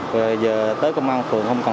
rồi giờ tới công an phường không cần